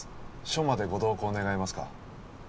署までご同行願えますか？